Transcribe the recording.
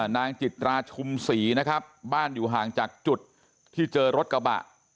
นางจิตราชุมศรีนะครับบ้านอยู่ห่างจากจุดที่เจอรถกระบะ